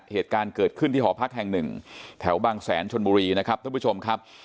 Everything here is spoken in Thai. เหตุการณ์เกิดขึ้นที่หอพักแห่งหนึ่งแถวบางแสนชนบุรีนะครับท่านผู้ชมครับ